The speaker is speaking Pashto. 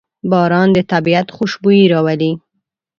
باران د طبیعت خوشبويي راولي.